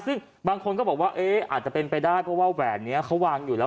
ซึ่งบางคนก็บอกว่าเอ๊ะอาจจะเป็นไปได้เพราะว่าแหวนนี้เขาวางอยู่แล้ว